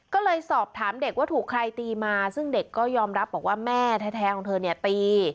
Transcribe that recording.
ก็เลยสอบถามเด็กว่าถูกใครตีมาซึ่งเด็กก็ยอมรับบอกว่าแม่แท้ของเธอเนี่ยตี